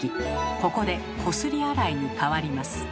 ここでこすり洗いに変わります。